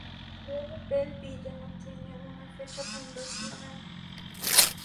La ciudad de Bell Ville no tiene una fecha fundacional.